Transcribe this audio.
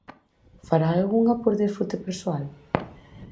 Fará algunha por desfrute persoal?